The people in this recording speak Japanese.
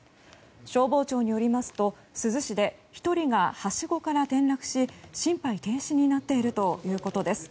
消防庁によりますと珠洲市で１人がはしごから転落し心肺停止になっているということです。